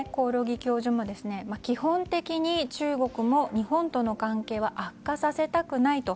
興梠教授も基本的に中国も日本との関係は悪化させたくないと。